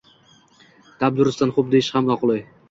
Dabdurustdan xo`p deyish ham noqulay